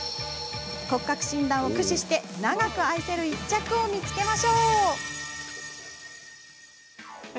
骨格診断を駆使して長く愛せる１着を見つけましょう。